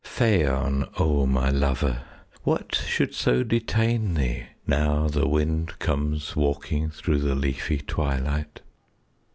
XLI Phaon, O my lover, What should so detain thee, Now the wind comes walking Through the leafy twilight?